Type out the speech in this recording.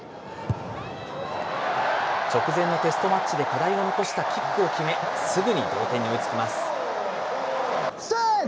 直前のテストマッチで課題を残したキックを決め、すぐに同点に追いつきます。